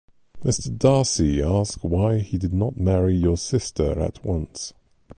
Mr. Darcy asked why he did not marry your sister at once.